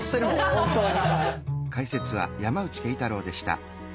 本当に。